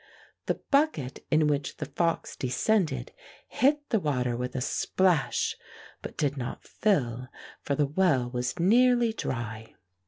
The bucket in which the fox descended hit the water with a splash, but did not fill, for the well was nearly dry.